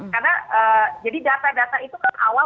karena jadi data data itu kan awal